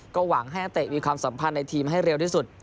ก็หวังให้นักเตะมีความสัมพันธ์ในทีมให้เร็วที่สุด